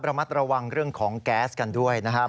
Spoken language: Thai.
ระมัดระวังเรื่องของแก๊สกันด้วยนะครับ